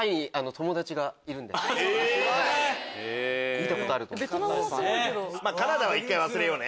見たことあると思って。